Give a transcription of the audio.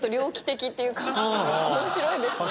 面白いですね